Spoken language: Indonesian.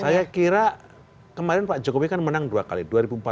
saya kira kemarin pak jokowi kan menang dua kali dua ribu empat belas dua ribu sembilan belas